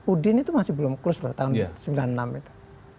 udin itu masih belum close baru tahun seribu sembilan ratus sembilan puluh enam itu